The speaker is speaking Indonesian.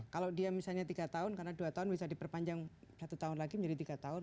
kalau dia misalnya tiga tahun karena dua tahun bisa diperpanjang satu tahun lagi menjadi tiga tahun